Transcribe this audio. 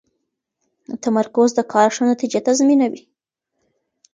تمرکز د کار ښه نتیجه تضمینوي.